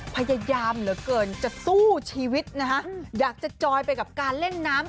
พยายามเหลือเกินจะสู้ชีวิตนะฮะอยากจะจอยไปกับการเล่นน้ำ